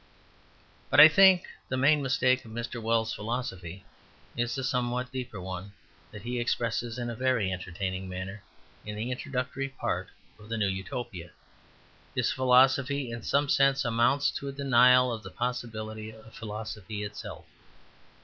But I think the main mistake of Mr. Wells's philosophy is a somewhat deeper one, one that he expresses in a very entertaining manner in the introductory part of the new Utopia. His philosophy in some sense amounts to a denial of the possibility of philosophy itself.